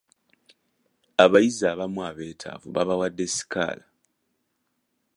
Abayizi abamu abetaavu baabawadde sikaala.